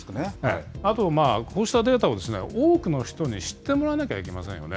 あと、こうしたデータを多くの人に知ってもらわなきゃいけませんよね。